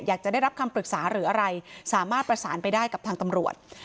อยากจะได้รับคำปรึกษาหรืออะไรสามารถประสานไปได้กับทางตำรวจ